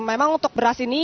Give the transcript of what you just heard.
memang untuk beras ini